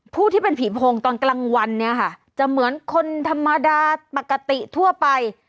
ผู้ที่เป็นผีโพงตอนกลางวันเนี่ยค่ะจะเหมือนคนธรรมดาปกติทั่วไป